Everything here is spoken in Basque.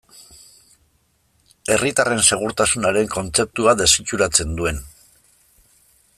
Herritarren segurtasunaren kontzeptua desitxuratzen duen.